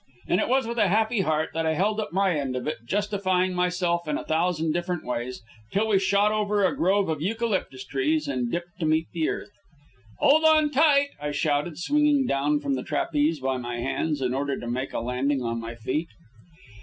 And it was with a happy heart that I held up my end of it, justifying myself in a thousand different ways, till we shot over a grove of eucalyptus trees and dipped to meet the earth. "Hold on tight!" I shouted, swinging down from the trapeze by my hands in order to make a landing on my feet.